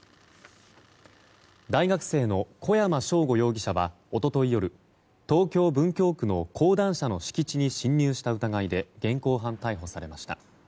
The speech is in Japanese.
大学生の小山尚吾容疑者は一昨日夜東京・文京区の講談社の敷地に侵入した疑いで現行犯逮捕されました。